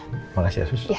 terima kasih asus